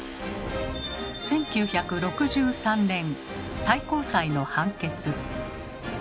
１９６３年最高裁の判決。